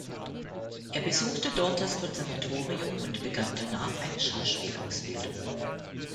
Er besuchte dort das Konservatorium und begann danach eine Schauspielausbildung.